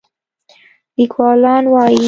لیکوالان وايي